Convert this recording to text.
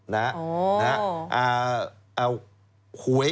นะฮือ